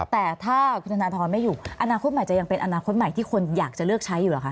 แต่ถ้าคุณธนทรไม่อยู่อนาคตใหม่จะยังเป็นอนาคตใหม่ที่คนอยากจะเลือกใช้อยู่เหรอคะ